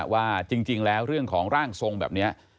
ว่าจริงแล้วเรื่องของร่างทรงแบบนี้